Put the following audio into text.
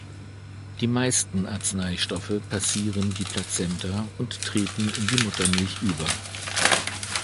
Die meisten Arzneistoffe passieren die Plazenta und treten in die Muttermilch über.